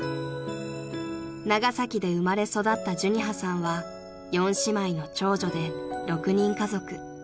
［長崎で生まれ育った寿仁葉さんは４姉妹の長女で６人家族］